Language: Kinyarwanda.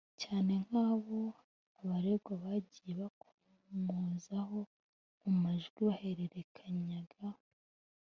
cyane nk’abo abaregwa bagiye bakomozaho mu majwi bahererekanyaga